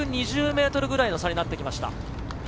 １２０ｍくらいの差になってきました。